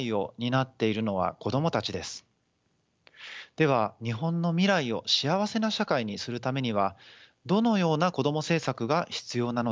では日本の未来を幸せな社会にするためにはどのようなこども政策が必要なのでしょうか。